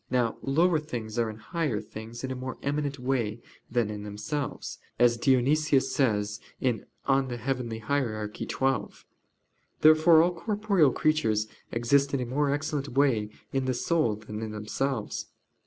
Now lower things are in higher things in a more eminent way than in themselves, as Dionysius says (Coel. Hier. xii). Therefore all corporeal creatures exist in a more excellent way in the soul than in themselves.